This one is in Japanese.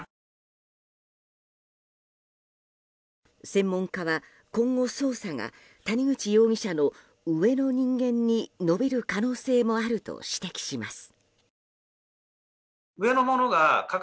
専門家は今後、捜査が谷口容疑者の上の人間に伸びる可能性もあると指摘します。